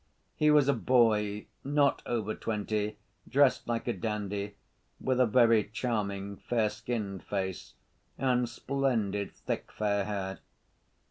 He was a boy, not over twenty, dressed like a dandy, with a very charming fair‐ skinned face, and splendid thick, fair hair.